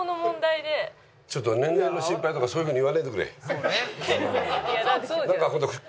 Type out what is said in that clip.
「そうね」